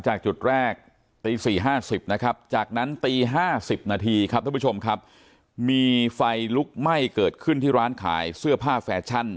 จากจุดแรกตี๔๕๐นะครับจากนั้นตี๕๑๐มีไฟลุกไหม้เกิดขึ้นที่ร้านขายเสื้อผ้าแฟชั่น